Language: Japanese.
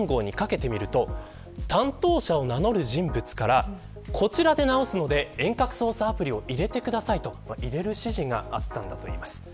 その電話番号にかけてみると担当者を名乗る人物からこちらで直すので遠隔操作アプリを入れてくださいと入れる指示があったといいます。